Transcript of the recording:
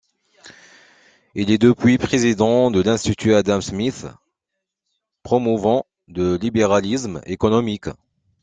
Il est depuis président de l'Institut Adam Smith, promouvant le libéralisme économique.